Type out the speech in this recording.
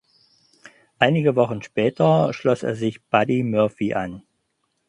Einige Wochen später schloss er sich Buddy Murphy an.